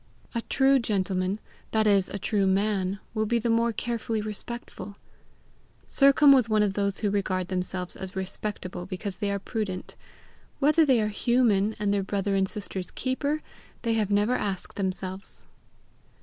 A true gentleman, that is a true man, will be the more carefully respectful. Sercombe was one of those who regard themselves as respectable because they are prudent; whether they are human, and their brother and sister's keeper, they have never asked themselves.